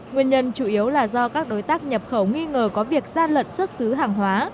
nguyên nhân chủ yếu là do các đối tác nhập khẩu nghi ngờ có việc gian lận xuất xứ hàng hóa